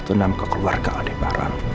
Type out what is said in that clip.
dendam ke keluarga adik barang